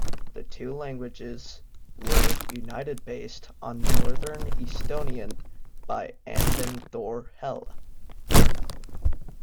The two languages were united based on northern Estonian by Anton thor Helle.